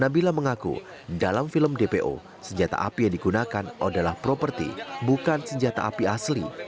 nabila mengaku dalam film dpo senjata api yang digunakan adalah properti bukan senjata api asli